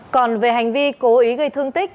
còn về hành vi cố ý gây thương tích